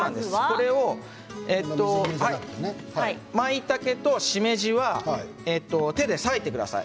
こちらはまいたけと、しめじは手で割いてください。